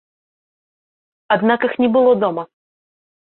Аднак іх не было дома.